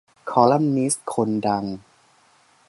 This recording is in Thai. คอลัมนิสต์คนดัง